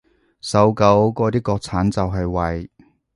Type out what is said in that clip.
搜狗嗰啲國產就係為